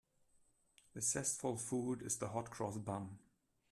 A zestful food is the hot-cross bun.